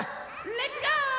レッツゴー！